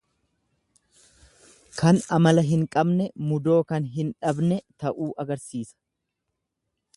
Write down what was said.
Kan amala hin qabne mudoo kan hin dhabne ta'uu agarsiisa.